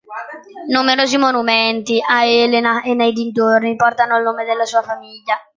Numerosi monumenti a Helena e nei dintorni portano il nome della sua famiglia.